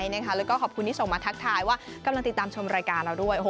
แล้วก็ขอบคุณที่ส่งมาทักทายว่ากำลังติดตามชมรายการเราด้วย